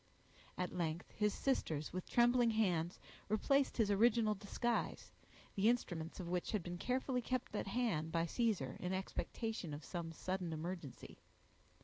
At length his sisters, with trembling hands, replaced his original disguise, the instruments of which had been carefully kept at hand by Caesar, in expectation of some sudden emergency.